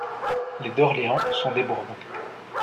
Les d'Orléans sont des Bourbons.